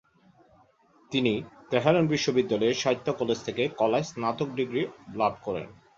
তিনি তেহরান বিশ্ববিদ্যালয়ের সাহিত্য কলেজ থেকে কলায় স্নাতক ডিগ্রি লাভ করেন।